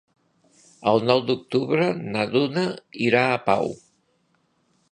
El nou d'octubre na Duna irà a Pau.